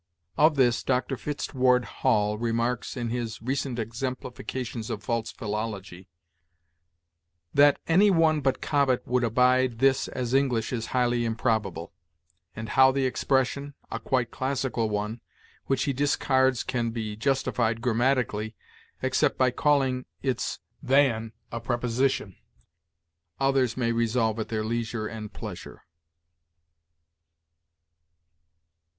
Of this, Dr. Fitzedward Hall remarks, in his "Recent Exemplifications of False Philology": "That any one but Cobbett would abide this as English is highly improbable; and how the expression a quite classical one which he discards can be justified grammatically, except by calling its than a preposition, others may resolve at their leisure and pleasure."